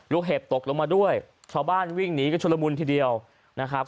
เห็บตกลงมาด้วยชาวบ้านวิ่งหนีกันชุดละมุนทีเดียวนะครับ